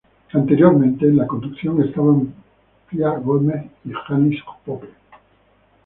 Anteriormente en la conducción estaban Pía Guzmán y Janis Pope.